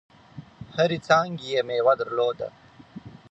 هرې څانګي یې مېوه درلوده .